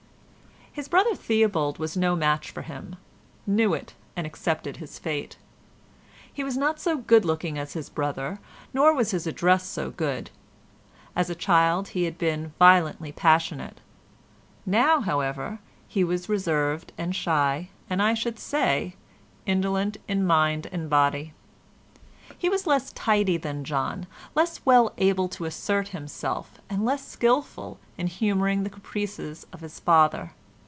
His brother Theobald was no match for him, knew it, and accepted his fate. He was not so good looking as his brother, nor was his address so good; as a child he had been violently passionate; now, however, he was reserved and shy, and, I should say, indolent in mind and body. He was less tidy than John, less well able to assert himself, and less skilful in humouring the caprices of his father.